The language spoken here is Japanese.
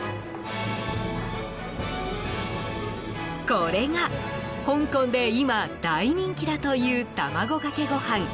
これが、香港で今大人気だという卵かけご飯